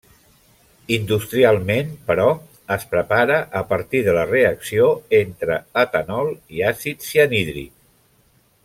Industrialment, però es prepara a partir de la reacció entre etanol i àcid cianhídric.